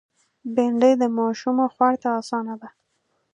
بېنډۍ د ماشومو خوړ ته آسانه ده